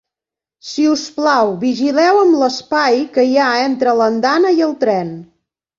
Si us plau, vigileu amb l'espai que hi ha entre l'andana i el tren.